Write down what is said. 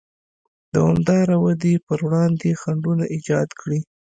دوامداره ودې پر وړاندې خنډونه ایجاد کړي.